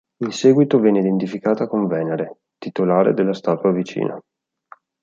In seguito venne identificata con Venere, titolare della statua vicina.